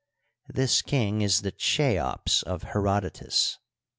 This king is the Cheops of Herodotus.